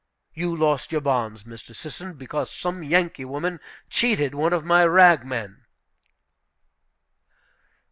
You lost your bonds, Mr. Sisson, because some Yankee woman cheated one of my rag men."